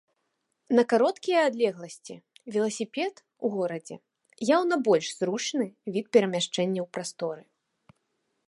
На кароткія адлегласці веласіпед у горадзе яўна больш зручны від перамяшчэння ў прасторы.